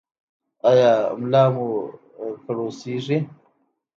ایا ملا مو کړوسیږي؟